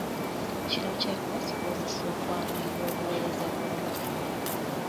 Kino kyakubasobozesa okwanguyirwa obuweereza bw’Omukama.